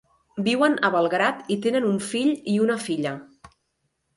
Viuen a Belgrad i tenen un fill i una filla.